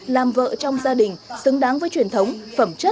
đảm đang của phụ nữ việt nam